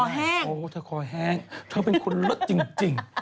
โอ้โหเธอคอแห้งเธอเป็นคนเลิศจริง